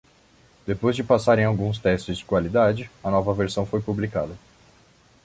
Depois de passar em alguns testes de qualidade, a nova versão foi publicada.